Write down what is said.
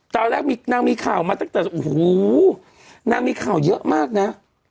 ตอนแรกนางมีข่าวมาตั้งแต่โอ้โหนางมีข่าวเยอะมากนะ